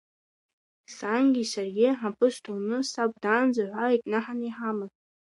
Сангьы саргьы, абысҭа уны, саб даанӡа ҳәа икнаҳаны иҳаман.